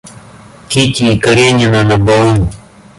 Кити и Каренина на балу.